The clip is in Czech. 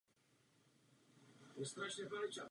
Vzdálenost mlhoviny není přesně známa.